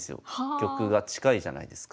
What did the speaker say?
玉が近いじゃないですか。